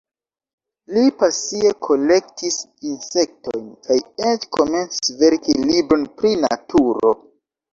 Li pasie kolektis insektojn kaj eĉ komencis verki libron pri naturo.